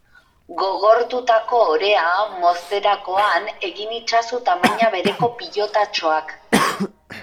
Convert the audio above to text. Gogortutako orea mozterakoan egin itzazu tamaina bereko pilotatxoak.